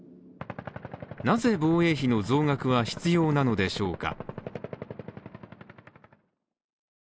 なぜ防衛費の増額は必要なのでしょうか。